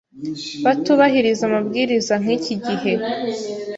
batubahiriza amabwiriza nk’iki gihe."